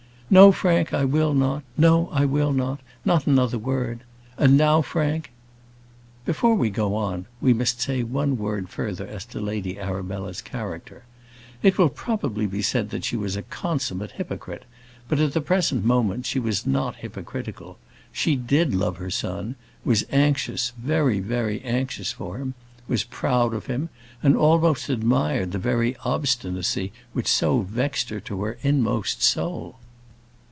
"No, Frank; I will not no, I will not; not another word. And now, Frank " Before we go on we must say one word further as to Lady Arabella's character. It will probably be said that she was a consummate hypocrite; but at the present moment she was not hypocritical. She did love her son; was anxious very, very anxious for him; was proud of him, and almost admired the very obstinacy which so vexed her to her inmost soul.